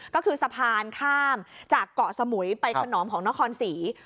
ก็คือสะพานข้ามจากเกาะสมุยไปขนอมของนครศรี